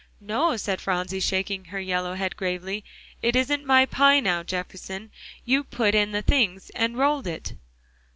"No," said Phronsie, shaking her yellow head gravely, "it isn't my pie now, Jefferson. You put in the things, and rolled it."